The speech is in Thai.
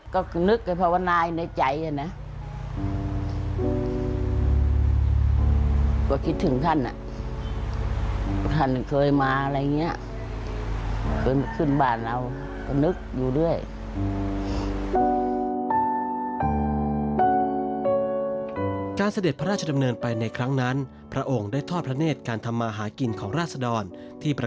ก็นึกเลยเพราะว่านายในใจน่ะ